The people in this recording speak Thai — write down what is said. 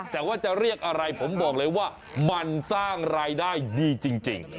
แต่ว่าจะเรียกอะไรผมบอกเลยว่ามันสร้างรายได้ดีจริง